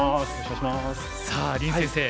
さあ林先生